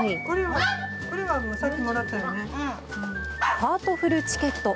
ハートフルチケット。